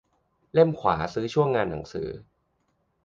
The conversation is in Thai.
เล่มขวาซื้อช่วงงานหนังสือ